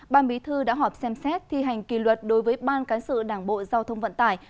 ban bí thư đã họp xem xét thi hành kỳ luật đối với ban cán sự đảng bộ giao thông vận tải